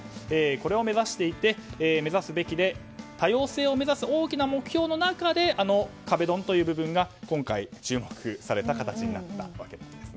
これを目指していて目指すべきで多様性を目指す大きな目標の中で壁ドンという部分が今回注目された形になったわけです。